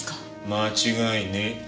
間違いねえ。